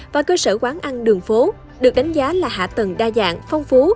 và cơ sở quán ăn đường phố được đánh giá là hạ tầng đa dạng phong phú